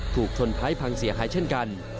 ถูกชนท้ายพังเสียหายเช่นกัน